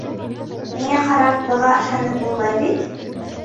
Миңә ҡарап, быға ышанып булмай бит?